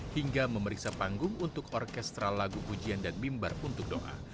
hingga memeriksa panggung untuk orkestra lagu pujian dan mimbar untuk doa